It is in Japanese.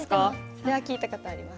それは聞いた事あります。